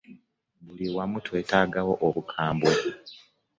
Buli wamu twetaagawo obukambwe.